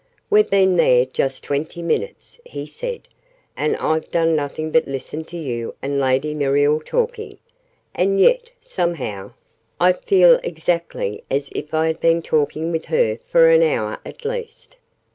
"We've been there just twenty minutes," he said, "and I've done nothing but listen to you and Lady Muriel talking: and yet, somehow, I feel exactly as if I had been talking with her for an hour at least!"